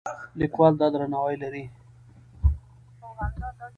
لیکوال دا درناوی لري.